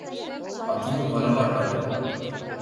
А тидым варарак нальым.